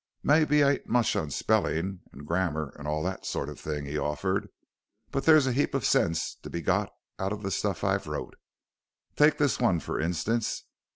"Mebbe I ain't much on spellin' an' grammar an' all that sort of thing," he offered, "but there's a heap of sense to be got out of the stuff I've wrote. Take this one, for instance.